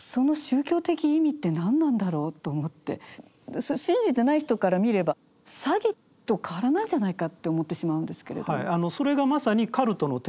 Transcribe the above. こう本当に信じてない人から見れば詐欺と変わらないんじゃないかって思ってしまうんですけれど。